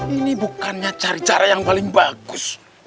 ini bukannya cari cara yang paling bagus